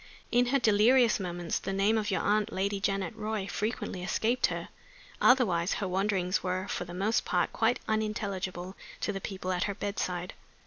In her delirious moments the name of your aunt, Lady Janet Roy, frequently escaped her. Otherwise her wanderings were for the most part quite unintelligible to the people at her bedside.